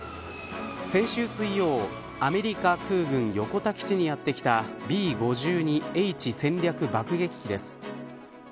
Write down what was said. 先週水曜アメリカ空軍横田基地にやってきたＢ‐５２Ｈ戦略爆撃機です。